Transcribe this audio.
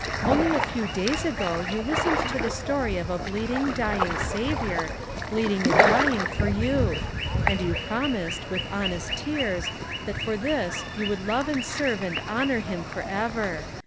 Only a few days ago you listened to the story of a bleeding, dying Saviour, bleeding and dying for you; and you promised, with honest tears, that for this you would love and serve and honour Him for ever.